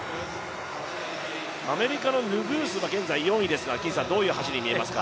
アメリカのヌグースは現在４位ですが、どういう走りに見えますか？